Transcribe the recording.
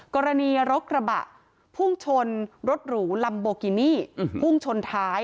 กรณีรถกระบะพุ่งชนรถหรูลัมโบกินี่พุ่งชนท้าย